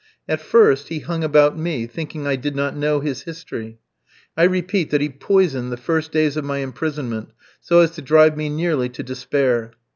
At first, he hung about me, thinking I did not know his history. I repeat that he poisoned the first days of my imprisonment so as to drive me nearly to despair.